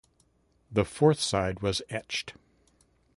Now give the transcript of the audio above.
The fourth side was etched.